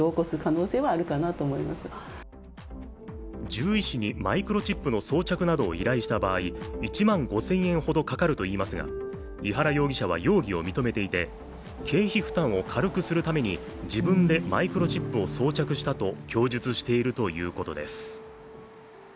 獣医師にマイクロチップの装着などを依頼した場合、１万５０００円ほどかかるといいますが井原容疑者は容疑を認めていて経費負担を軽くするために自分でマイクロチップを装着したと供述しているということです。